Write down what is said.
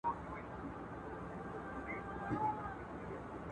سود د پانګې د کارونې عاید دی.